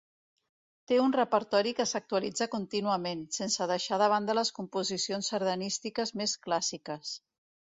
Té un repertori que s'actualitza contínuament, sense deixar de banda les composicions sardanístiques més clàssiques.